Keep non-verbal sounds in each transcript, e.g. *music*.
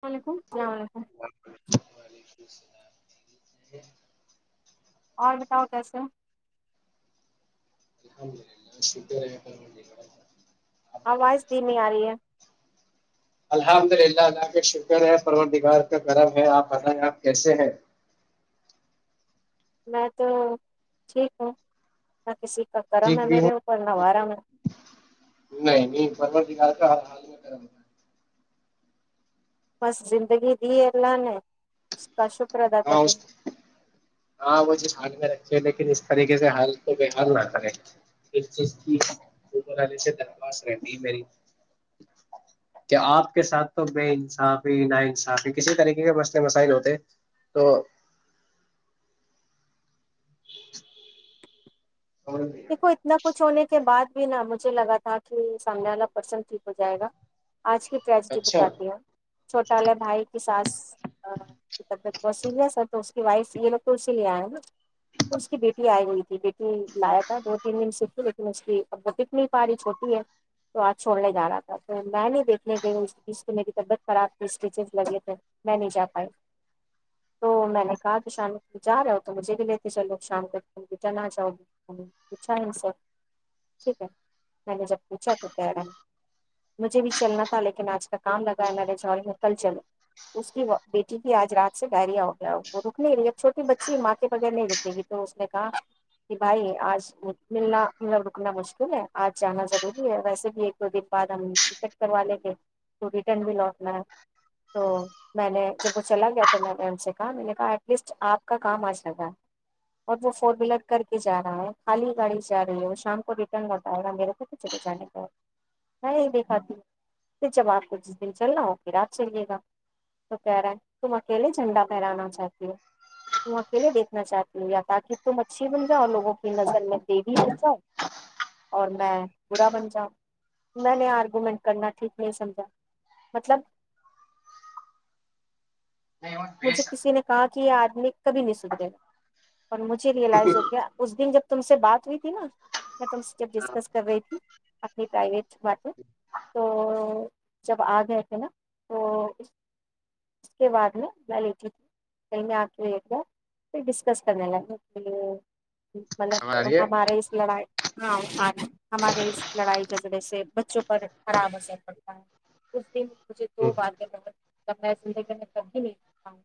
وعلیکم اللام و علیکم *unintelligible* ج *unintelligible* *unintelligible* اور بتاؤ کیسے *unintelligible* *unintelligible* الحمدلہ شکر ہے م *unintelligible* *unintelligible* آواز سھی میں آ رہی ہے *unintelligible* اللہ اللہ کا شکر ہے پر دگار کا گرم ہے آپ بتائیں آپ کیسے ہے *unintelligible* *unintelligible* میں تو ٹھیک ہوں باقی سیکھ *unintelligible* ٹھیک بھی ہوں نہیں نہیں ب *unintelligible* *unintelligible* و کرا *unintelligible* *unintelligible* بس زندگی دی اللہ نے *unintelligible* کا شکر ادا ہاں اس کرتےیں *unintelligible* *unintelligible* ہاں وہ ج ہال میں رکھے لیکن اس طریقے سے حال کو بےحال نہ کرے اس چیز کی سے درخواست رہتی ہے میری کہ آپ کے ساتھ تو بے انصافی نا انصافی کسی طریقے کے مسئلے مسائل ہوتے تو *unintelligible* *unintelligible* *inaudible* *unintelligible* دیکھو اتنا کچھ ہونے کے بعد *unintelligible* بھی نہ مجھے لگا تھا کہ سامنے والا پرسن ٹھیک ہو جائے گا *unintelligible* *unintelligible* آج کی ٹریجڈی اچھا بتاتی ہے چھوٹالے بھائی کی ساس *unintelligible* طبیعت بہ س ہے سر تو اس کی وائف یہ لوگ تو اسی لے آئے نا اس کی بیٹی آئی ہوئی تھی بیٹی لائق *unintelligible* دو تین دن س تھی لیکن اس کی اب وہ پک نہیں پا رہی چھوٹی ہے تو آج چھوڑنے جا رہا تھا تو میں نہیں دیکھنے گئی ہ اس بیچ کی میری طبیعت خراب تھی اسٹیچز لگے تھے میں نہیں جا پائی تو میں نے کہا کہ شام ت جا رہا ہو تو مجھے بھی لیےتے چلو شام تک ت ریٹرن آ جاؤ *unintelligible* پوچھا سب ٹھیک ہے میں نے جب پوچھا تو کہہ رہا ہیں مجھے بھی چلنا تھا لیکن آج کا کام لگا ہے میں نے جڑی میں کل چلے اس کی بیٹی بھی آج رات سے گائریا ہو گیا وہ رک نہیں رہی جب چھوٹی بچی ماں کے بغیر نہیں رکے گی تو اس نے کہا کہ بھائی آج *unintelligible* ملنا م رکنا مشکل ہے آج جانا ضروری ہے ویسے بھی ایک دو دن بعد ہم ٹکٹ کروا لیں گے تو ریٹرن بھی لوٹنا ہے تو میں نے جب وہ چلا گیا تو میں نے ان سے کہا میں نے کہا ایٹ لیسٹ آپ کا کام آج لگا ہے اور وہ فور ویلر کر کے جا رہا ہے *unintelligible* خالی گاڑی جا رہی ہو شام کو ریٹرن بتاائے گا میرے کو تو چلے جانے کا میں یہ دیکھاتی ہوں کہ جب آپ کو جس دن چلنا ہو کہ رات چلیے گا تو کہہ رہا ہے تم اکیلے جھنڈا پھہرانا چاہتی ہو تم اکیلے دیکھنا چاہتی ہو یا تاکہ تم اچھی بن جاؤ لوگوں *unintelligible* نظر میں دیوی بن جاؤں اور میں برا بن جاؤں میں نے آرگوومینٹ کرنا ٹھیک نہیں سمجھا مطلب *unintelligible* نہیں بی مجھے سک کسی نے کہا *unintelligible* کہ یہ آدمی کبھی نہیں سدرے گا اور مجھے ریئلائز ہو گیا اس دن جب تم سے بات ہوئی تھی نا میں تم سے جب ڈسکس کر رہی تھی اپنی پرائیویٹ باتیں تو جب آ گئے تھے نا تو اس کے بعد میں *unintelligible* میں لی تھی آ کےا پھر ڈسکس کرنے ل *unintelligible* آواز مطلب آ رہی ہے ہمارے اس لڑائی *unintelligible* ہاںاں *unintelligible* ہمارے اس لڑائی کے ذریے سے *unintelligible* بچوں پر خراب اثر پڑتا ہے اس دن *unintelligible* مجھے دو باتیں بہت ت نے سے کرھی نہیں ہاں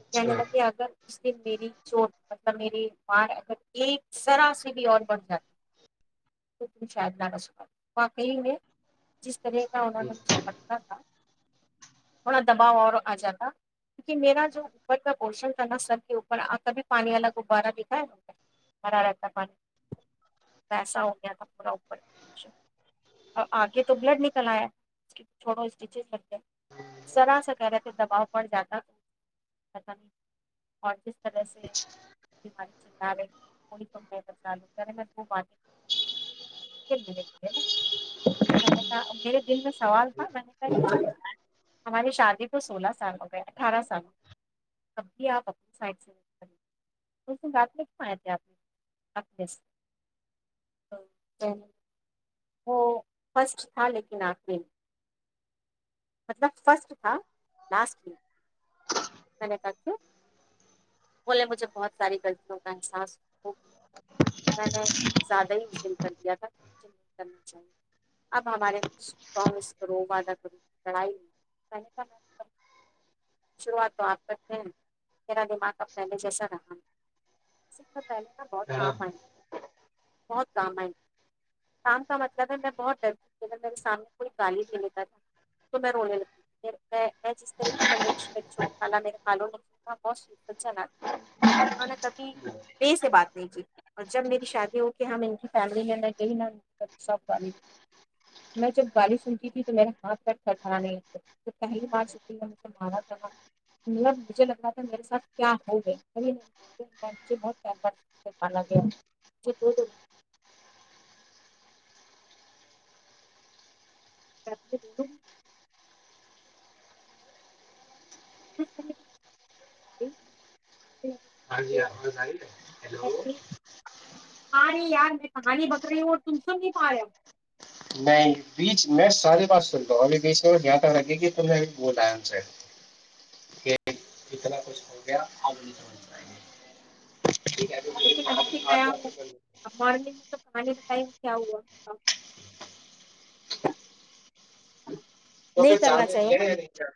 اچھا کہنے ل کہ اگر میری چوٹ مطلب میری مار اگر ایک طرح سے بھی اور بڑھ جاتی تو تم شاید نہ کر سکا واقعی ہے جس سری کا ان نے م پٹا تھا ہم دباؤ اور آ جاتا کیونکہ میرا جو اوپر کا پورشن تھا نا سب کے اوپر کبھی پانی والا غبارہ دکھایا بھرا رہتا پانی ویسا ہو گیا تھا پورا اپر اور آگے تو بلڈ نکل آیا تھوڑ اسٹیچز رتے ہاں سراس ا کریر تو دبؤ پڑ جاتا توتا نہیں اور جس طرح سے بیماری چل رہے تھڑی تو میں ب لوں وہ باتیں پ مے ملے نا تو میں نے کہا میرے دل میں سوال تھا میں نے کہ ہماری شادی کو سولہ سال ہو گئے اٹھارہ سال ہو اب بھی آپنی سائڈ سے اسن بات میں کیوں آئے تھے آپ نےنے وہ فرسٹ تھا لیکن آقری مطلب فرسٹ تھا لاسٹ میں میں نے بولے مجھے بہت ساری غلطیوں کا احساس ہو گیا میں نے کچھ زیادہ ہی اس دن کر دیا تھا مجھ نہیں کرنا چاہیے اب ہمارے کرو وعدہ کرو لڑائی میں میں نے شوات تو آپ ت میرا دماغ کاب پہلے جسا رہا پہلے نہ بہت ہاں کام آئی بہت کام آئ کام کا مطلب ہے میں بہت ڈر ت اگر میرے سامنے کوئی گالی دے لیتا تھا تو میں رونے لگی تھی میں جس طرح کی پرورش میری چھوٹی بہت انوں نے کبھی بے سے بات نہیں کی اور جب میری شادی ہو کہ ہم ان کی فیملی میں گئی نہ سب گڑی میں جب گاڑی سنتی تھی تو میرے ہاتھ پٹٹرا نہیں پہلی بار ستی میں مھے مارا تھا مب مجھے لگ رہا تھا میرے ساتھ کیا ہو گیا پالا گیا کر ج ہاں جی آواز آئی ہے ہلو پانی یار میں کہانی بک رہی ہوں اور تم سن نہیں پا رہے ہو نہیں بیچ میں ساری بات سن رہا ہوں ابھی بیچ میں یادہ لگے گی تو بھی بولا ان سے کہ اتنا کچھ ہو گیا آپ نہیں سمجھ پائیں گے ٹھیک ہے لیکن ابھی سے نیا ہو اب مرنے میں *unintelligible* کہانی بتائی کیا ہوا *unintelligible* تو پ جال کرنا چاہیے نا دیائے نہیں چائے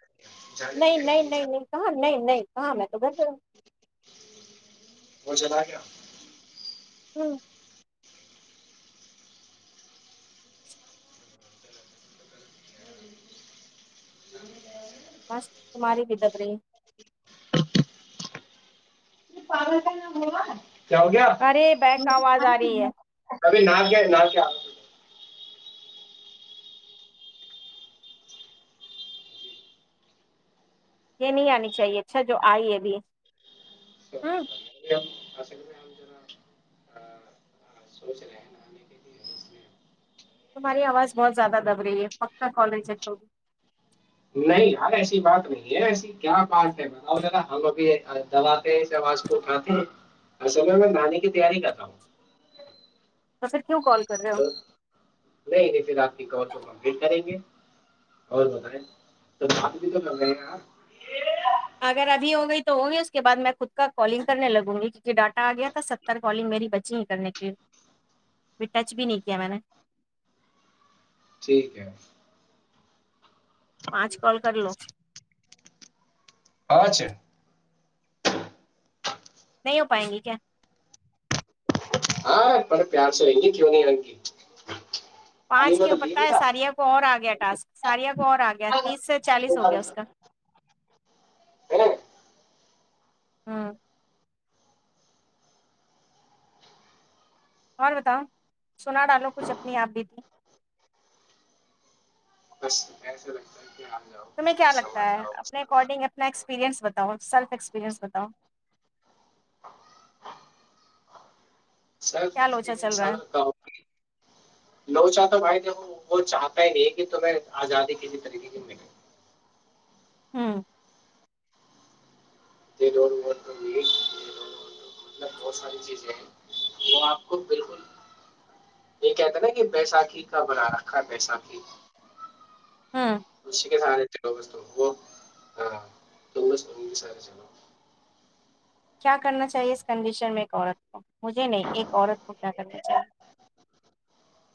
جال دیائے نہیں چائے *unintelligible* نہیں نہیں کااں میں تو گس *unintelligible* وہ چلا گیا *unintelligible* ہوں *unintelligible* مسٹ سماری بدبے *unintelligible* پاگل کا ہوا *unintelligible* ارے بہک آواز آ رہی ہے *unintelligible* ابھی ن کیا ن کیا *unintelligible* یہ نہیں آنی چاہیے اچھا جو آئی ہےبھی ہ *unintelligible* اصل میں ہم ذرا سوچ رہے ہیں آنے کے لیے اس لیے تمہاری آواز بہت زیادہ دب رہی ہے پکا کال رہی ج *unintelligible* نہیں یار ایسی بات نہیں ہے ایسی کیا بات ہے بناؤ ذرا ہم ابھی دوا *unintelligible* س آاز کو اٹھاتے *unintelligible* اصل میں میں گے کی تیاری کرتا ہوں *unintelligible* تس کیوں کال کر رہے ہو تو *unintelligible* نہیں نہیں پھر آپ کی کور کو کمپلیٹ کریں گے اور بتائیں تو تو مگ آپ *unintelligible* اگر ابھی ہو گئی تو ہوں گی اس کے بعد میں خود کا کالنگ کرنے لگوں گی کیونکہ ڈاٹا آ گیا تھا ستر کالنگ میری بچی ہی کرنے کےے ٹچ بھی نہیں کیا میں نے *unintelligible* ٹھیک ہے *inaudible* پانچ کال کر لو ہاںھ نہیں ہو پائیں گی کیا ہاں بڑے پیار سے رہیں گے کیوں نہیں ان کی پانچ کیوں پتا ہے ساریا کو اور آ گیا ٹسک ساریا کو اور آ گیا تیس سے چالیس ہو گیا اس کا *inaudible* ہاں اور بتاؤ سنا ڈالو کچھ اپنی آپ بھی تھی کسے رہ تمہیں کیا لگتا ہے اپنے اکارڈنگ اپنا ایکسپیرئنس بتاؤ سیلف ایکسپیرنس بتاؤ کیا لوچا چل سیفپرینس رہا ہے لو چ تواہ وہ چاہتا ہی نہیں کہ تو آزادی کسی طریقے سے مل ہوں یہ مطلب بہت ساری چیزیں ہیں وہ آپ کو بالکل یہ کہتا نا کہ بیسااکھی کا بنا رکھا بیسااکھی *unintelligible* ہوں اسش کے س *unintelligible* چل وہ ہسار چلو *unintelligible* کیا کرنا چاہیے اس کنڈیشن میں ایک عورت کو مجھے نہیں ایک عورت کو کیا کرنا چاہیے *unintelligible*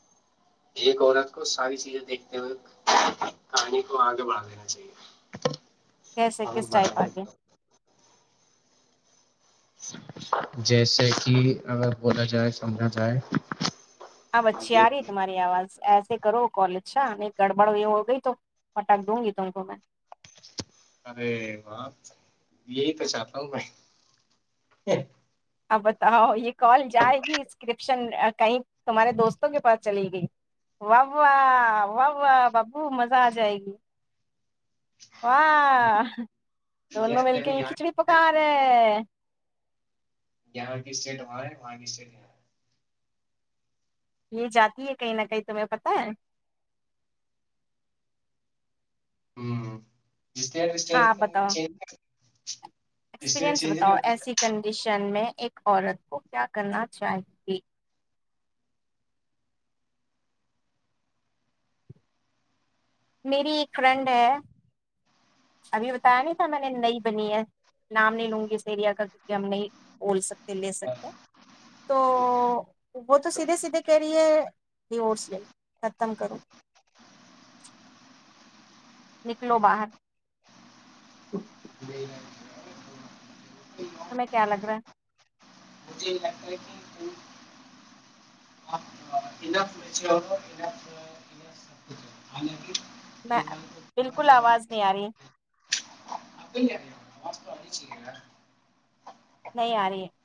ایک عورت کو ساری چیزیں دیکھتے ہوئے کہانی کو آگے بڑھا دینا چاہیے *unintelligible* کیسے اور کس ٹائپ بڑھا آگے؟ *unintelligible* جیسے کہ اگر بولا جائے سمجھا جائے *unintelligible* آ بچھی آ رہی ہے تماری آواز ای *unintelligible* سے کرو کالجا نہیں گڑبڑ یہ ہو گئی تو فٹاخ دوں گی تو کو میں ارے بپ یہی تو چاہتا ہوں میں اب بتاؤ یہ کال جائے گی اسکرپشن کہیں تمہارے دوستوں کے پاس چلی گئی واہ واہ واہ واہ ببو مزہ آ جائے گی واہ دونوں مل دیکھو کے یہ یہاں کھچڑی پکا رہے یہاں کی اسٹیٹ وہاں ہے وہاں کی اسٹیٹ ہے یہ جاتی ہے کہیں نہ کہیں تمہیں پت ہے ہوں ج *inaudible* ایکسپریئنس بتاؤ ایسی کنڈیشن جن میں ایک عورت کو کیا کرنا چاہی گی میری ایک فرینڈ ہے ابھی بتایا نہیں تھا میں نے نئی بنی ہے نام نہیں لوں گی اس ایریا کا کیونکہ ہم نہیں بول سکتے لے سکتے تو وہ تو سھے سیدھے کہہ رہی ہے ریورس لے لو ختم کروں نکلو باہر ہمیں کیا لگ رہا ہے مجھے یہ لگتا ہے کہ تم آپ انف اچھے ہو انف انف سب کچھ ہے حالانکہ میں ایک بار تو پرانا بالکل آواز زمانے نہیں آ رہی *unintelligible* آپ کو نہیں آ رہی آواز تو آنی چاہیے یار نہیں آ رہی ہے *unintelligible*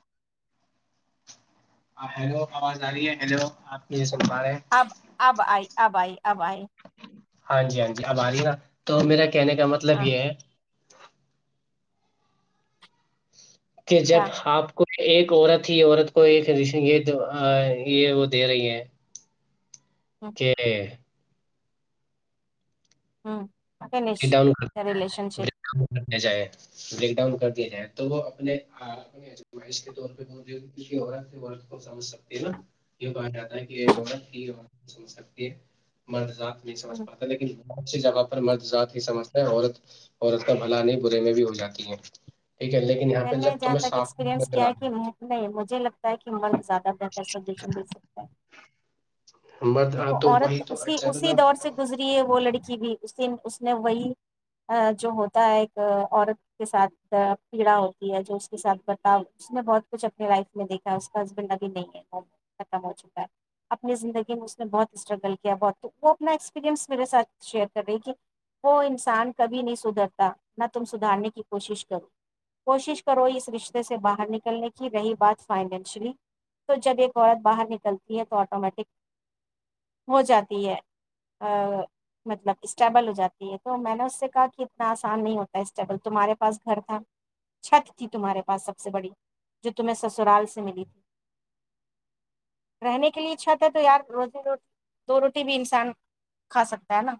آپ ہیلو آواز آ رہی ہے ہلو آپ کے اب اب آئی *unintelligible* ابھائی ابھائی *unintelligible* ہاں جی ہاں ج اب آ رہی نا تو میرا کہنے کا مطلب ہاں یہ ہے کہ جب کیا آپ کو *unintelligible* ایک عورت ہی عورت کو ایک یہ یہ وہ دے رہی ہے کہ *unintelligible* ہاں *unintelligible* ب ڈاؤن ڈ *unintelligible* جائے بیک ڈاؤن کر دیا جائے تو وہ اپنے امائش کے ط کیتور کو سمجھ سکتی ہے نا یہ کہا جاتا ہے کہ ایک عت سمجھ سکتی ہے مردات نہیں سمجھ پاتا لیکن اچھی جگہ پر مرضات *unintelligible* سمجھتا ہے عت عورت کا بھلا نہیں برے میں بھی ہو جاتی ہے ٹھیک ہے لیکن یہاں میں پہ نے جب جہاں تمہیں تک صاف ایکسپیرئنس نظر کیا آ کہ نہیں مجھے لگتا ہے کہ من زیادہ بہتر سجیشن دے سکتا ہے مرد *unintelligible* آ، دیک تو عورت وہی تو اسی چلو اسی دور سے میں گزری ہے وہول لڑکی بھی اس د اس نے وہی جو ہوتا ہے ایک عورت کے ساتھ پیڑا ہوتی ہے جو اس کے ساتھ بتا اس نے بہت کچھ اپنے لائف میں دیکھا اس کا ہسبینڈ ابھی نہیں ہے وہ ختم ہو چکا ہے اپنی زندگی میں اس نے بہت اسٹرگل کیا بہت تو وہ اپنا ایکسپیرئنس میرے ساتھ شیئر کر رہی کہ وہ انسان کبھی نہیں سدھرتا نہ تم سدھارنے کی کوشش کرو کوشش کرو اس رشتے سے باہر نکلنے کی رہی بات فائنینشلی تو جب ایک عورت باہر نکلتی ہے تو آٹومیٹک ہو جاتی ہے مطلب اسٹیبل ہو جاتی ہے تو میں نے اس سے کہا کہ اتنا آسان نہیں ہوتا اسٹیبل تمہارے پاس گھر تھا چھت تھی تمہارے پاس سب سے بڑی جو تمہیں سسرال سے ملی تھی رہنے کے لیے چھت ہے تو یار روزی رو دو روٹی بھی انسان کھا سکتا ہے نا